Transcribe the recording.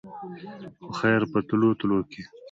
خو خېر په تلو تلو کښې